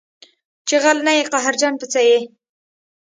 چې غل نه یې قهرجن په څه یې